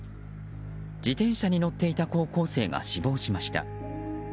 自転車に乗っていた高校生が死亡しました。